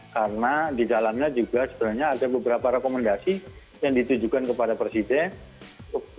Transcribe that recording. karena di dalamnya juga sebenarnya ada beberapa rekomendasi yang ditujukan kepada presiden